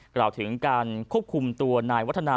กล่าวถึงการควบคุมตัวนายวัฒนา